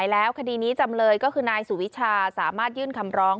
แล้วคดีนี้จำเลยก็คือนายสุวิชาสามารถยื่นคำร้อง